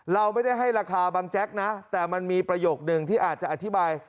เราไม่ได้ให้ราคาบางแจ๊กนะแต่มันมีประโยคนึงที่อาจจะอธิบาย